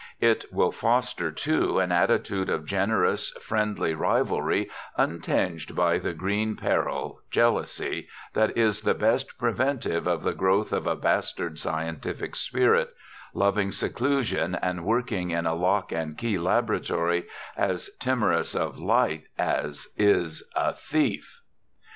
It will foster, too, an attitude of generous, friendly rivalry untinged by the green peril, jealousy, that is the best preventive of the growth of a bastard scientific spirit, loving seclusion and working in a lock and key laboratory, as timorous of light as is a thief.